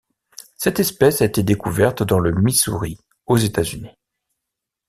Cette espèce a été découverte dans le Missouri aux États-Unis.